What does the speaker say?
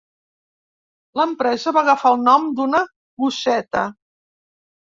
L'empresa va agafar el nom d'una gosseta.